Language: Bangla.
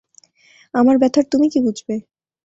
আমার ব্যাথার তুমি কী বুঝবে।